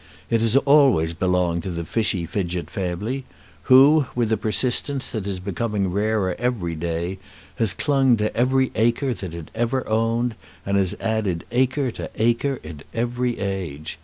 It has always belonged to the Fichy Fidgett family, who with a persistence that is becoming rarer every day, has clung to every acre that it ever owned, and has added acre to acre in every age.